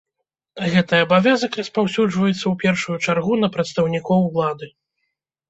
Гэты абавязак распаўсюджваецца, у першую чаргу, на прадстаўнікоў улады.